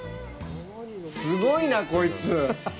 すごいな、こいつ。